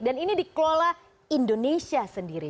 dan ini dikelola indonesia sendiri